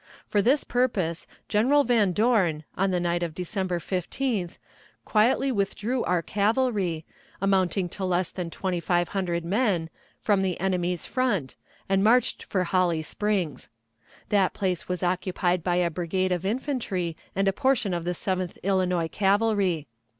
For this purpose. General Van Dorn, on the night of December 15th, quietly withdrew our cavalry, amounting to less than twenty five hundred men, from the enemy's front, and marched for Holly Springs. That place was occupied by a brigade of infantry and a portion of the Seventh Illinois Cavalry.